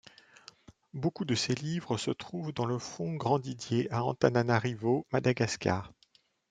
Beaucoup de ses livres se trouvent dans le Fonds Grandidier à Antananarivo, Madagascar.